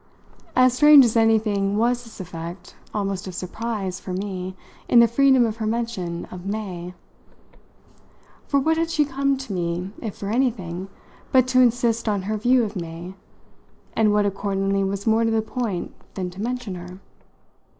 As strange as anything was this effect almost of surprise for me in the freedom of her mention of "May." For what had she come to me, if for anything, but to insist on her view of May, and what accordingly was more to the point than to mention her?